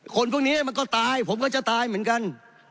คนพวกนี้มันก็ตายผมก็จะตายเหมือนกัน